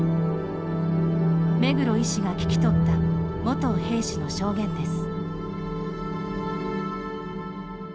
目黒医師が聞き取った元兵士の証言です。